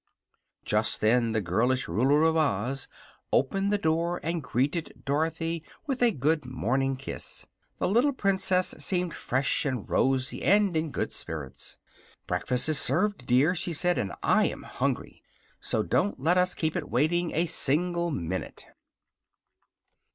Just then the girlish Ruler of Oz opened the door and greeted Dorothy with a good morning kiss. The little Princess seemed fresh and rosy and in good spirits. "Breakfast is served, dear," she said, "and I am hungry. So don't let us keep it waiting a single minute."